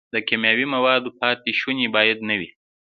د کیمیاوي موادو پاتې شوني باید نه وي.